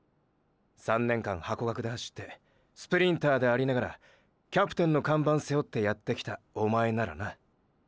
３年間ハコガクで走ってスプリンターでありながらキャプテンのカンバン背負ってやってきたおまえならな。